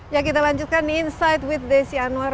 ya kita lanjutkan insight with desi anwar